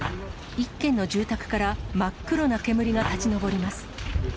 １軒の住宅から真っ黒な煙が立ち上ります。